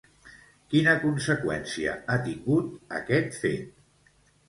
Quina conseqüència ha tingut, aquest fet?